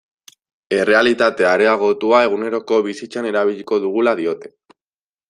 Errealitate areagotua eguneroko bizitzan erabiliko dugula diote.